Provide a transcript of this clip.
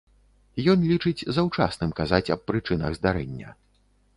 Ён лічыць заўчасным казаць аб прычынах здарэння.